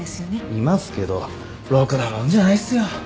いますけどろくなもんじゃないっすよ。